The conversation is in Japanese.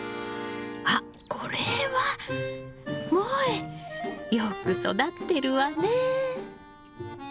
あっこれは！もえよく育ってるわね。